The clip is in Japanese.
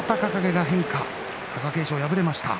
その変化で貴景勝、敗れました。